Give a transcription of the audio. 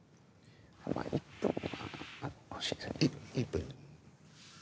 １分。